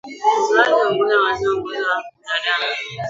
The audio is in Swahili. Uzuiaji wa ugonjwa wa maziwa miongoni mwa binadamu